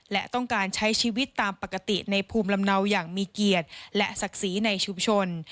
และต้องการใช้ชีวิตตามปกติในภูมิลำเนาอย่างมีเกียรติและศักดิ์ศรีในชุมชน